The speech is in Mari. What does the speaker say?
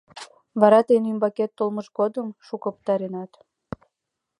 Вара тыйын ӱмбакет толмышт годым шуко пытаренат.